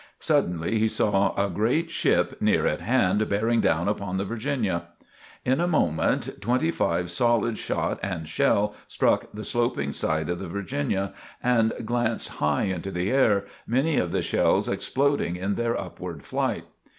Suddenly he saw a great ship near at hand bearing down upon the "Virginia." In a moment twenty five solid shot and shell struck the sloping side of the "Virginia" and glanced high into the air, many of the shells exploding in their upward flight.